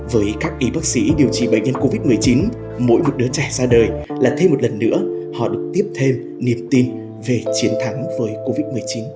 với các y bác sĩ điều trị bệnh nhân covid một mươi chín mỗi một đứa trẻ ra đời là thêm một lần nữa họ được tiếp thêm niềm tin về chiến thắng với covid một mươi chín